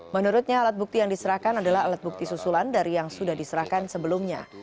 menurutnya alat bukti yang diserahkan adalah alat bukti susulan dari yang sudah diserahkan sebelumnya